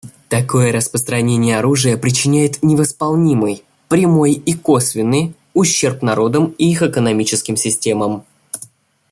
Такое распространение оружия причиняет невосполнимый — прямой и косвенный — ущерб народам и их экономическим системам.